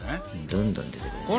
どんどん出てくるね。